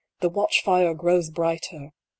The watch fire grows brighter !